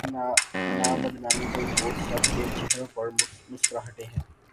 نہ بدنامی کوئی بوجھ سب کے چہروں پر مسکراہٹیں ہیں۔